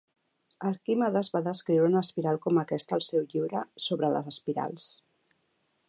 Arquimedes va descriure una espiral com aquesta al seu llibre "Sobre les espirals".